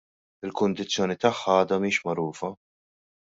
Il-kundizzjoni tagħha għadha mhix magħrufa.